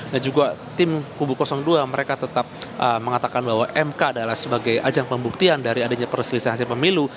dan juga tim kubu dua mereka tetap mengatakan bahwa mk adalah sebagai ajang pembuktian dari adanya perselisahan pemilu